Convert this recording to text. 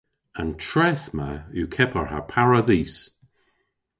An treth ma yw kepar ha paradhis!